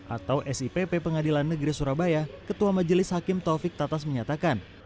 atau sipp pengadilan negeri surabaya ketua majelis hakim taufik tatas menyatakan